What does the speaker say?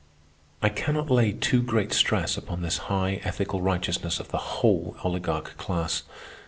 I cannot lay too great stress upon this high ethical righteousness of the whole oligarch class.